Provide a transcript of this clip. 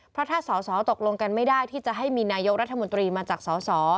เพราะถ้าสอสอตกลงกันไม่ได้ที่จะให้มีนายกรัฐมนตรีมาจากสส